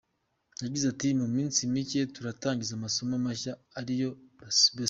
Yagize ati ”Mu minsi mike turatangiza amasomo mashya ari yo Bsc.